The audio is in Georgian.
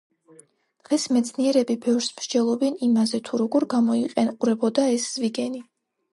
დღეს მეცნიერები ბევრს მსჯელობენ იმაზე, თუ როგორ გამოიყურებოდა ეს ზვიგენი.